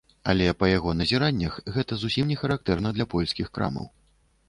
Але, па яго назіраннях, гэта зусім не характэрна для польскіх крамаў.